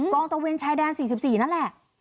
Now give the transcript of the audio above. ตะเวนชายแดน๔๔นั่นแหละ